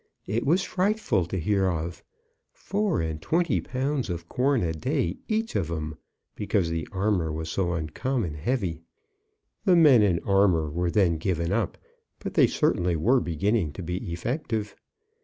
It was frightful to hear of! Four and twenty pounds of corn a day each of 'em, because the armour was so uncommon heavy." The men in armour were then given up, but they certainly were beginning to be effective.